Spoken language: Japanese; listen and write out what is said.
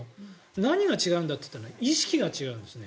何が違うんだって言ったら意識が違うんですね。